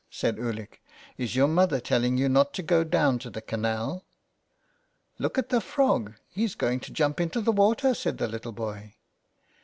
said Ulick, " is your mother telling you not to go down to the canal ?"'' Look at the frog ! he's going to jump into the water," said the little boy.